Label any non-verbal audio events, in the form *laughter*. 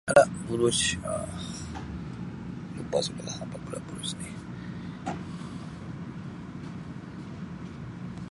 *unintelligible* buruj Um lupa sudah apa pula buruj ni. *noise*